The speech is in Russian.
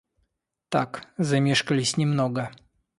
Так, замешкались немного.